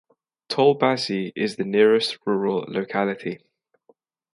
Tolbazy is the nearest rural locality.